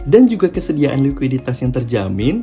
juga kesediaan likuiditas yang terjamin